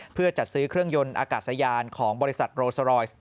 เพื่อจัดซื้อเครื่องยนต์อากาศยานของบริษัทโรสรอย